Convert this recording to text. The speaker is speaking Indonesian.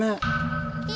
gak ada saksi